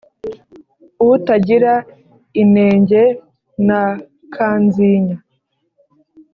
utagira inenge na kanzinya.